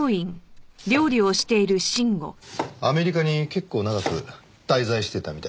アメリカに結構長く滞在してたみたいだね。